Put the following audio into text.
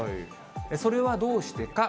それはどうしてか。